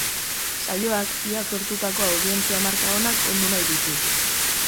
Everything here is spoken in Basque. Saioak iaz lortutako audientzia marka onak ondu nahi ditu.